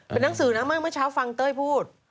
เป็นหนังสือนะมากเมื่อเช้าฟังเต้ยพูด